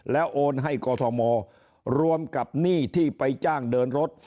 แล้วโอนให้กอทมรวมกับหนี้ที่ไปจ้างเดินรถ